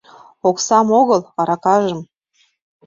— Оксам огыл — аракажым...